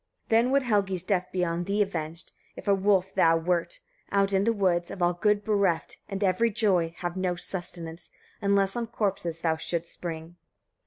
Then would Helgi's death be on thee avenged, if a wolf thou wert, out in the woods, of all good bereft, and every joy, have no sustenance, unless on corpses thou shouldst spring.